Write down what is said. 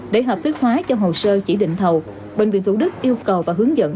để hợp thức hóa cho hồ sơ chỉ định thầu bệnh viện thủ đức yêu cầu và hướng dẫn